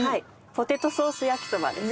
ポテトソース焼きそばです。